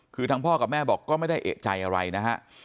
คือทางพ่อกับแม่บอกก็ไม่ได้เอกใจอะไรนะฮะ